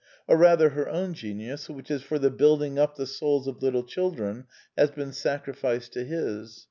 Or rather, her own genius, which is for " building up the souls of little children," has been sacrificed to his.